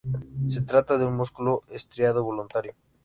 Se trata de un músculo estriado, voluntario.